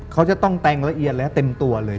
เขาจะต้องแต่งละเอียดและเต็มตัวเลย